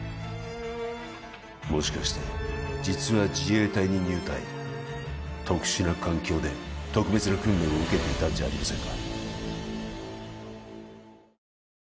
もしかして実は自衛隊に入隊特殊な環境で特別な訓練を受けていたんじゃありませんか